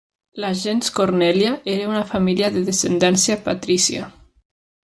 La "gens Cornelia" era una família de descendència patrícia.